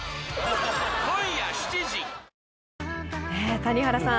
谷原さん